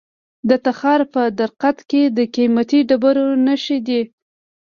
د تخار په درقد کې د قیمتي ډبرو نښې دي.